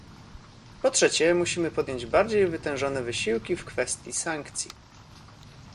Po trzecie, musimy podjąć bardziej wytężone wysiłki w kwestii sankcji